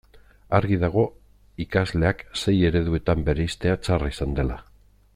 Argi dago ikasleak sei ereduetan bereiztea txarra izan dela.